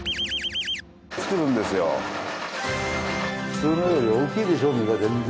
普通のより大きいでしょ実が全然。